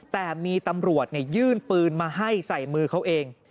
แต่มีตำรวจยื่นปืนมาให้ใส่มือเขาเอง